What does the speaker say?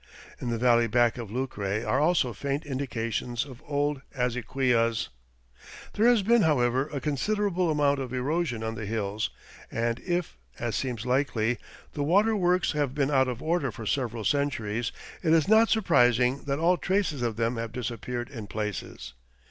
In the valley back of Lucre are also faint indications of old azequias. There has been, however, a considerable amount of erosion on the hills, and if, as seems likely, the water works have been out of order for several centuries, it is not surprising that all traces of them have disappeared in places.